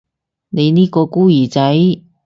你呢個孤兒仔